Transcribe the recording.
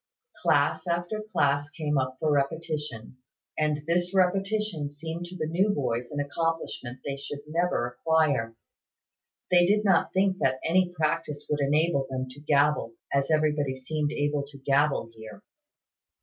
Class after class came up for repetition; and this repetition seemed to the new boys an accomplishment they should never acquire. They did not think that any practice would enable them to gabble, as everybody seemed able to gabble here.